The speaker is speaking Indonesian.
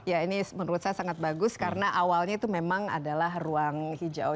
ya ini menurut saya sangat bagus karena awalnya itu memang adalah ruang hijau